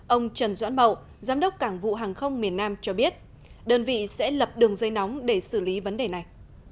ông trần doãn bậu giám đốc cảng vụ hàng không miền nam cho biết đơn vị sẽ lập đường dây nóng để xử lý vấn đề này